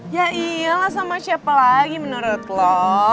ya iyalah sama siapa lagi menurut lo